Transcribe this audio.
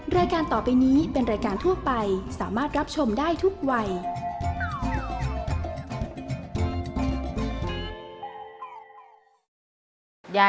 รายการต่อไปนี้เป็นรายการทั่วไปสามารถรับชมได้ทุกวัย